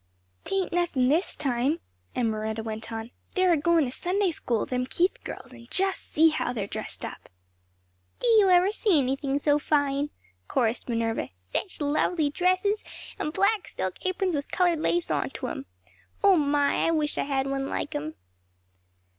"'Tain't nothin' this time," Emmaretta went on; "they're agoin' to Sunday school, them Keith girls, and just see how they're dressed up!" "Did you ever see anything so fine?" chorused Minerva; "sech lovely dresses; and black silk aprons with colored lace onto 'em. Oh my! I wish I had one like 'em!"